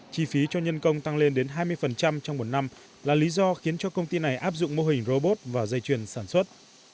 chi phí cho nhân công tăng lên đến hai mươi trong một năm là lý do khiến cho công ty này áp dụng mô hình robot và dây chuyền sản xuất